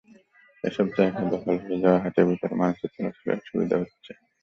এসব জায়গা দখল হয়ে যাওয়ায় হাটের ভেতর মানুষের চলাচলে অসুবিধা হচ্ছে।